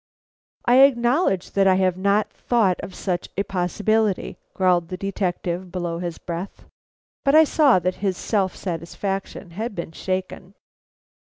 "I acknowledge that I have not thought of such a possibility," growled the detective, below his breath, but I saw that his self satisfaction had been shaken.